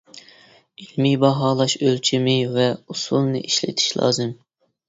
ئىلمىي باھالاش ئۆلچىمى ۋە ئۇسۇلىنى ئىشلىتىش لازىم.